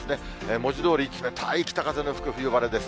文字どおり、冷たい北風の吹く冬晴れです。